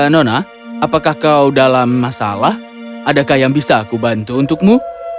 nona apakah kau dalam masalah adakah yang bisa aku bantu untukmu